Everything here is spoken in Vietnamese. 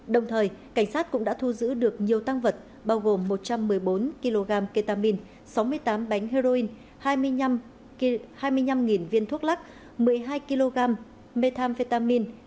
đồng thời cảnh sát cũng đã thu giữ được nhiều tăng vật bao gồm một trăm một mươi bốn kg ketamine sáu mươi tám bánh heroin hai mươi năm viên thuốc lắc một mươi hai kg methamphetamin